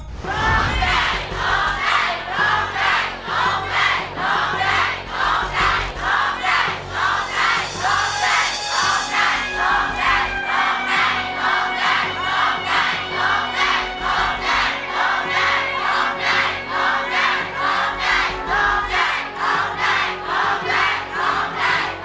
โครงใจโครงใจโครงใจโครงใจ